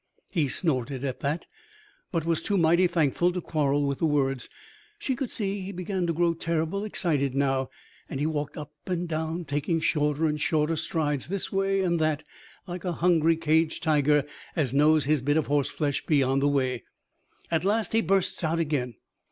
He snorted at that, but was too mighty thankful to quarrel with the words. She could see he began to grow terrible excited now; and he walked up and down, taking shorter and shorter strides this way and that, like a hungry caged tiger as knows his bit of horse flesh be on the way. At last he bursts out again.